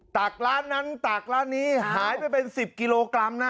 ร้านนั้นตักร้านนี้หายไปเป็น๑๐กิโลกรัมนะ